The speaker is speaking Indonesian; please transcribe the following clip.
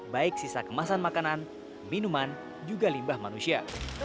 baik sisa kemasan makanan minuman juga limbah manusia